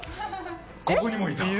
ここにもいた。